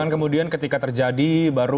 kemudian ketika terjadi baru